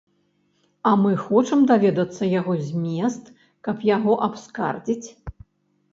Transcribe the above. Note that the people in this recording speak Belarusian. А мы хочам даведацца яго змест, каб яго абскардзіць.